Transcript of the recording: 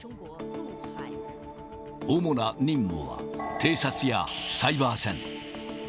主な任務は、偵察やサイバー戦。